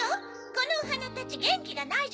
このおはなたちゲンキがないじゃない！